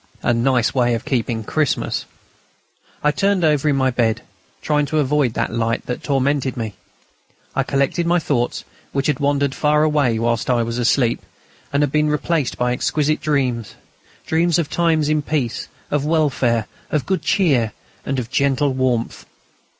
A nice way of keeping Christmas!... I turned over in my bed, trying to avoid that light that tormented me; I collected my thoughts, which had wandered far away whilst I was asleep, and had been replaced by exquisite dreams, dreams of times of peace, of welfare, of good cheer, and of gentle warmth.